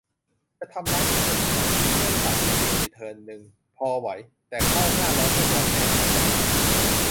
จะทำร้ายตัวเองไปทำไม เคยปั่นไปเรียนอยู่เทอมนึง พอไหว แต่เข้าหน้าร้อนก็ยอมแพ้ ขายจักรยานทิ้ง !